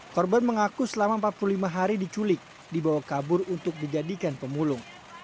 korban mengaku selama empat puluh lima hari diculik dibawa kabur untuk dijadikan pemulung